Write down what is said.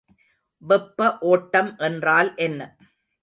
வெப்ப ஓட்டம் என்றால் என்ன?